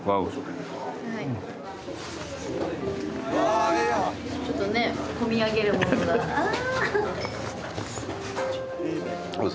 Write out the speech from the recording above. あのちょっとね込み上げるものがあ